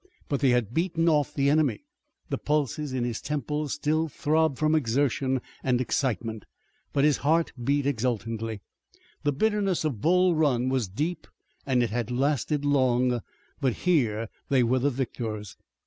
But they had beaten off the enemy! The pulses in his temples still throbbed from exertion and excitement, but his heart beat exultantly. The bitterness of Bull Run was deep and it had lasted long, but here they were the victors.